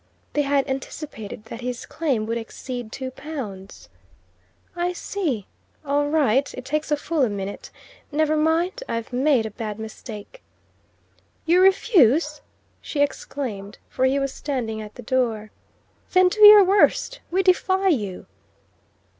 They had anticipated that his claim would exceed two pounds. "I see. All right. It takes a fool a minute. Never mind. I've made a bad mistake." "You refuse?" she exclaimed, for he was standing at the door. "Then do your worst! We defy you!"